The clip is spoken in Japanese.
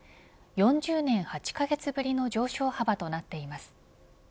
４０年８カ月ぶりの上昇幅となっています。